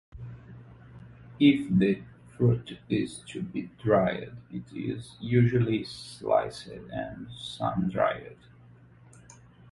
If the fruit is to be dried, it is usually sliced and sun-dried.